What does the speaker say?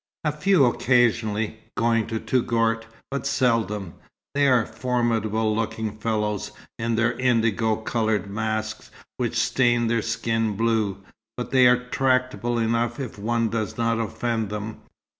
"A few occasionally, going to Touggourt, but seldom. They are formidable looking fellows, in their indigo coloured masks, which stain their skin blue, but they are tractable enough if one does not offend them."